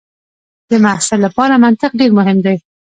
د محصل لپاره منطق ډېر مهم دی.